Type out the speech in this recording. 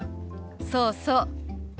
そうそう。